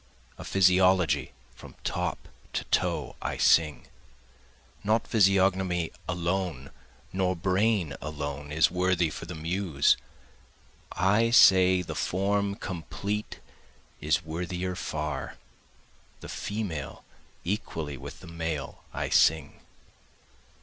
Of physiology from top to toe I sing, Not physiognomy alone nor brain alone is worthy for the Muse, I say the Form complete is worthier far, The Female equally with the Male I sing.